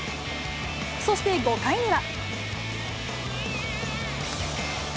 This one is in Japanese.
そして５回には。